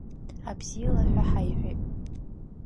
Абзиала ҳәа ҳаиҳәеит.